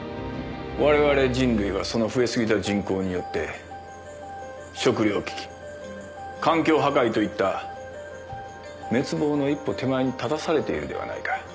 我々人類はその増え過ぎた人口によって食糧危機環境破壊といった滅亡の一歩手前に立たされているではないか。